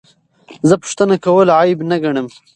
زه پوښتنه کول عیب نه ګڼم.